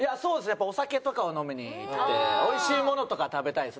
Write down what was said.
やっぱお酒とかを飲みに行って美味しいものとか食べたいです。